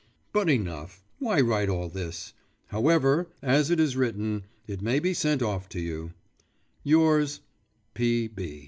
… But enough. Why write all this? However, as it is written, it may be sent off to you.